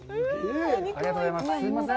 ありがとうございます。